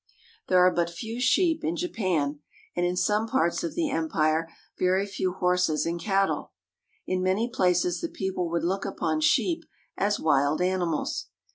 There are but few sheep in Japan, and in some parts of the empire very few horses and cattle. In many places the people would look upon sheep as wild animals.